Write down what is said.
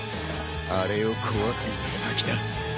あれを壊すのが先だ。